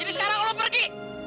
jadi sekarang lo pergi